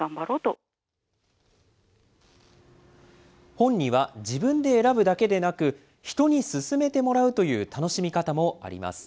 本には自分で選ぶだけでなく、人に薦めてもらうという楽しみ方もあります。